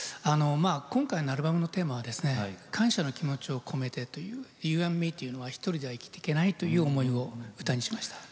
今回のアルバムのテーマが感謝の気持ちを込めて「ＹｏｕＡｎｄＭｅ」というのは１人では生きていけないという思いを歌にしました。